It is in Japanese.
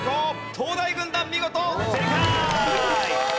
東大軍団見事正解！